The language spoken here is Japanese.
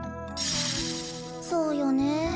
「そうよね。